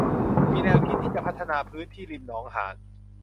มีแนวคิดที่จะพัฒนาพื้นที่ริมหนองหาร